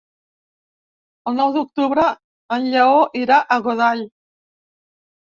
El nou d'octubre en Lleó irà a Godall.